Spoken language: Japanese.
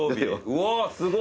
うわっすごい。